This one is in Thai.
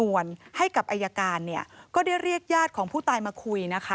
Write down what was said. ส่วนให้กับอัยการก็ได้เรียกญาติของผู้ตายมาคุย